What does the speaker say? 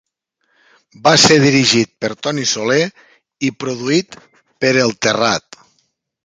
Va ser dirigit per Toni Soler i produït per El Terrat.